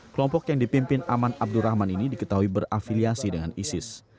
kelompok yang dipimpin aman abdurrahman ini diketahui berafiliasi dengan isis